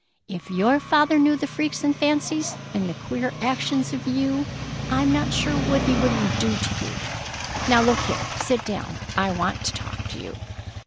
If your father knew the freaks and fancies and the queer actions of you I'm not sure what he wouldn't do to you! Now, look here! Sit down. I want to talk to you."